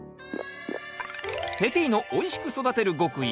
ペピーノおいしく育てる極意